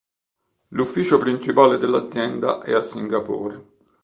L'ufficio principale dell'azienda è a Singapore.